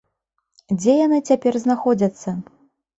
Дзе яны цяпер знаходзяцца?